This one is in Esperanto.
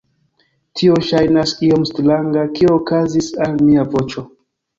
Tio ŝajnas iom stranga kio okazis al mia voĉo